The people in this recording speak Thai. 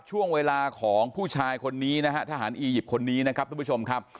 ช่วงเวลาของผู้ชายคนนี้นะฮะทหารอียิปต์คนนี้นะครับทุกผู้ชมครับ